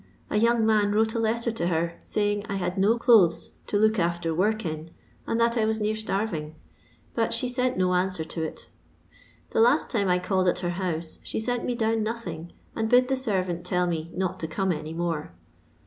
A young man wrote a letter to her, laying I had no clothes to look after work in, and that I was near starring, but she lent no answer to it. The last time I called at her boose she sent me down nothing, and bid the servant tell me not to come any more.